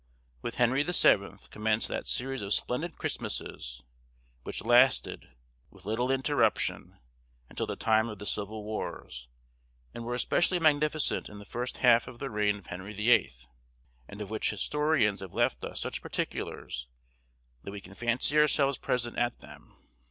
With Henry the Seventh commenced that series of splendid Christmasses which lasted, with little interruption, until the time of the civil wars, and were especially magnificent in the first half of the reign of Henry the Eighth, and of which historians have left us such particulars, that we can fancy ourselves present at them.